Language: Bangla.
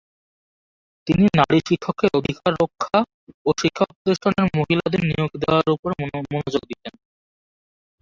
তিনি নারী শিক্ষকের অধিকার রক্ষা ও শিক্ষাপ্রতিষ্ঠানে মহিলাদের নিয়োগ দেওয়া উপর মনোযোগ দিতেন।